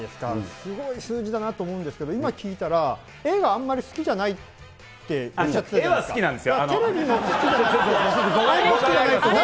すごい数字だなと思うんですけど、今聞いたら絵があんまり好きじゃないっておっしゃってたじゃないですか。